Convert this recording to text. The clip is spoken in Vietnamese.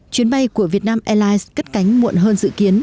chuyến bay của việt nam airlines cất cánh muộn hơn dự kiến